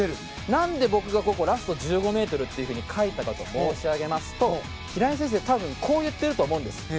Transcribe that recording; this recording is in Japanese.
なぜ僕がラスト１５ｍと書いたかと申し上げますと平井先生、多分こう言っていると思うんです。